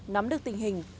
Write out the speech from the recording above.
nắm được tình hình